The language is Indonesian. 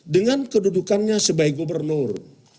dengan kedudukannya sebagai gubernur